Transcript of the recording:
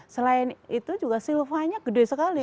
selain itu juga silvanya gede sekali